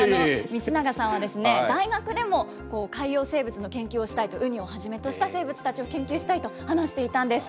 満永さんは、大学でも海洋生物の研究をしたいと、ウニをはじめとした生物たちを研究したいと話していたんです。